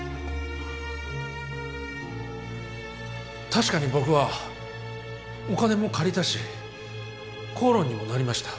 確かに僕はお金も借りたし口論にもなりました。